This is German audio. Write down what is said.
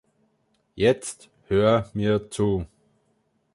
Jetzt hör mir zu.